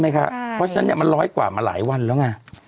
เพราะฉะนั้นมันร้อยกว่ามาหลายวันแล้วไง